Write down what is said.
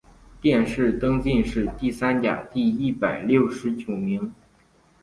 殿试登进士第三甲第一百六十九名。